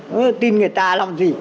không tin người ta làm gì